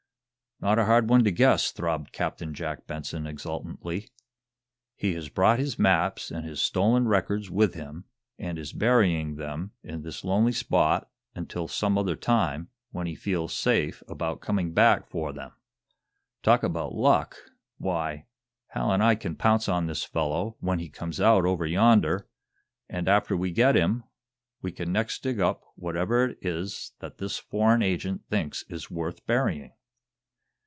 "Not a hard one to guess," throbbed Captain Jack Benson, exultantly. "He has brought his maps and his stolen records with him, and is burying them in this lonely spot until some other time when he'll feel safe about coming back for them. Talk about luck! Why, Hal and I can pounce on this fellow, when he comes out over yonder, and, after we get him, we can next dig up whatever it is that this foreign agent thinks is worth burying!"